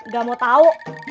gak mau tau